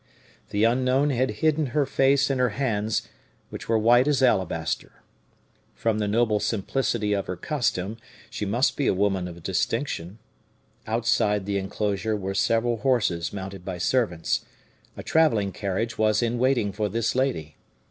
The unknown had hidden her face in her hands, which were white as alabaster. From the noble simplicity of her costume, she must be a woman of distinction. Outside the inclosure were several horses mounted by servants; a travelling carriage was in waiting for this lady.